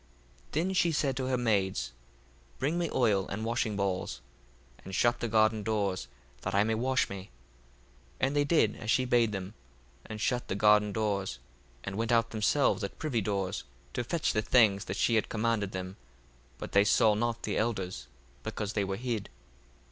1:17 Then she said to her maids, Bring me oil and washing balls, and shut the garden doors, that I may wash me. 1:18 And they did as she bade them, and shut the garden doors, and went out themselves at privy doors to fetch the things that she had commanded them: but they saw not the elders, because they were hid.